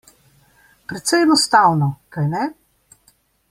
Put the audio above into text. Precej enostavno, kajne?